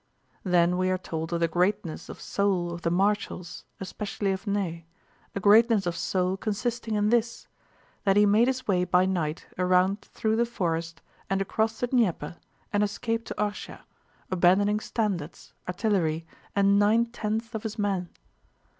Then we are told of the greatness of soul of the marshals, especially of Ney—a greatness of soul consisting in this: that he made his way by night around through the forest and across the Dnieper and escaped to Orshá, abandoning standards, artillery, and nine tenths of his men.